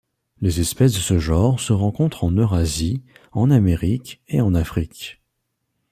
Les espèces de ce genre se rencontrent en Eurasie, en Amérique et en Afrique.